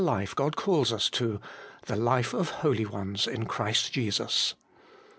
life God calls us to, the life of holy ones in Christ Jesus.